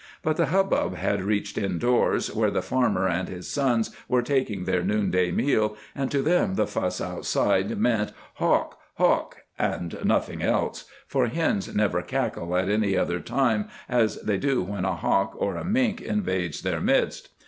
But the hubbub had reached indoors, where the farmer and his sons were taking their noonday meal, and to them the fuss outside meant "Hawk! Hawk!" and nothing else, for hens never cackle at any other time as they do when a hawk or a mink invades their midst.